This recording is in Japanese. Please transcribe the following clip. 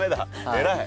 偉い。